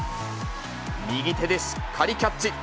右手でしっかりキャッチ。